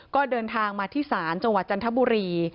ก็เดินทางมาที่ศาลจังหวัดจันทบุรี